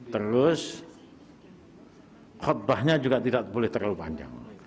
terus khutbahnya juga tidak boleh terlalu panjang